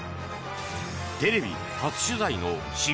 テレビ初取材の新